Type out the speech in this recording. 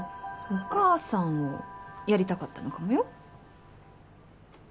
お母さんをやりたかったのかもよ